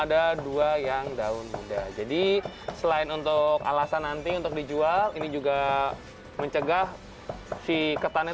ada dua yang daun muda jadi selain untuk alasan nanti untuk dijual ini juga mencegah si ketannya